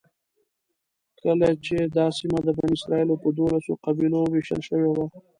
کله چې دا سیمه د بني اسرایلو په دولسو قبیلو وېشل شوې وه.